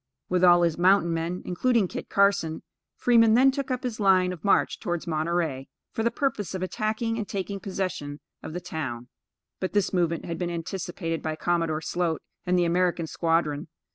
With all his mountain men, including Kit Carson, Fremont then took up his line of march towards Monterey, for the purpose of attacking and taking possession of the town; but, this movement had been anticipated by Commodore Sloat and the American squadron.